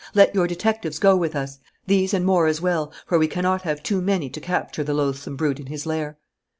Let your detectives go with us: these and more as well, for we cannot have too many to capture the loathsome brute in his lair."